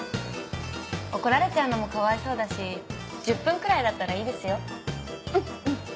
怒られちゃうのもかわいそうだし１０分くらいだったらいいですよ。うんうん。